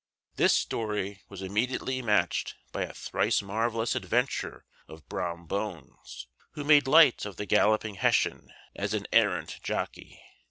This story was immediately matched by a thrice marvellous adventure of Brom Bones, who made light of the galloping Hessian as an arrant jockey.